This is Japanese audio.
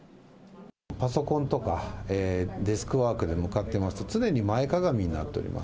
パソコンとかデスクワークに向かってますと、常に前かがみになっております。